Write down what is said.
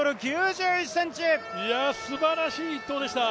すばらしい１投でした。